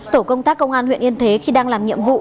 tổ công tác công an huyện yên thế khi đang làm nhiệm vụ